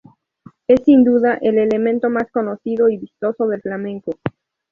Es sin duda, el elemento más conocido y vistoso del flamenco.